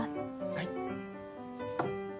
はい。